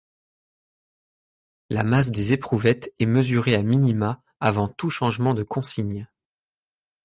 La masse des éprouvettes est mesurée a minima avant tout changement de consigne.